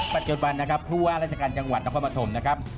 ปัจจุบันนะครับทั่วราชกรรมจังหวัดนครมภมนะครับ